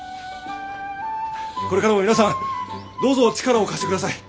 これからも皆さんどうぞ力を貸して下さい。